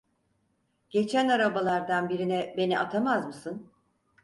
Geçen arabalardan birine beni atamaz mısın?